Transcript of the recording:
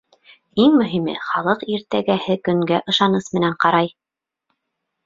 Иң мөһиме — халыҡ иртәгәһе көнгә ышаныс менән ҡарай.